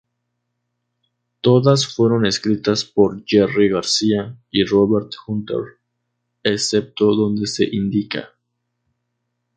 Todas fueron escritas por Jerry Garcia y Robert Hunter, excepto donde se indica.